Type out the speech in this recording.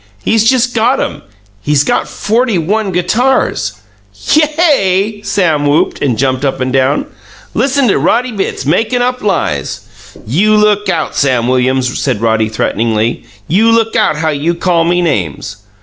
He's just got 'em. He's got forty one guitars." "Yay!" Sam whooped, and jumped up and down. "Listen to Roddy Bitts makin' up lies!" "You look out, Sam Williams!" said Roddy threateningly. "You look out how you call me names!"